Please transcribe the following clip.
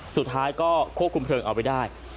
สุดท้ายก็ควบคุมเพลิงเอาไว้ได้